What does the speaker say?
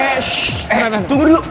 eh shhh tunggu dulu